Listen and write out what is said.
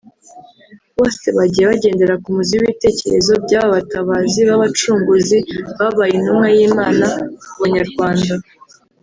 bose bagiye bagendera ku muzi w’ibitekerezo by’aba Batabazi b’abacunguzi babaye Intumwa y’Imana ku Banyarwanda